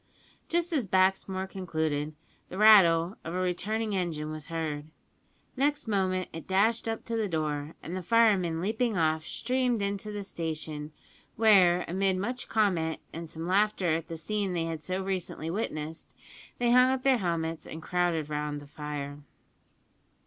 Just as Baxmore concluded, the rattle of a returning engine was heard. Next moment it dashed up to the door, and the firemen, leaping off, streamed into the station, where; amid much comment and some laughter at the scene they had so recently witnessed, they hung up their helmets and crowded round the fire.